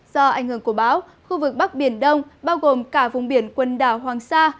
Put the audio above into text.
do ảnh hưởng của báo khu vực bắc biển đông bao gồm cả vùng biển quần đảo hoàng sa